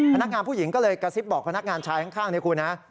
พนักงานผู้หญิงก็เลยกระซิบบอกพนักงานชายข้างเนี่ยคุณฮะ